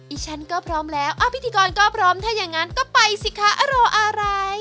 อีฉันก็พร้อมแล้วอ้าวพิธีกรก็พร้อมถ้ายังงั้นก็ไปสิคะโอ้โหรออะไร